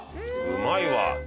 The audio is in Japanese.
うまいわ。